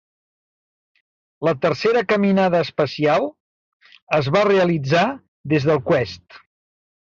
La tercera caminada espacial es va realitzar des del "Quest".